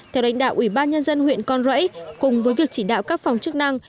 theo đánh đạo ủy ban nhân dân huyện con rẫy cùng với việc chỉ đạo các phòng chức năng